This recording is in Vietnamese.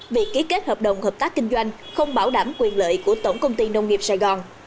việc ký kết hợp đồng hợp tác kinh doanh không bảo đảm quyền lợi của tổng công ty nông nghiệp sài gòn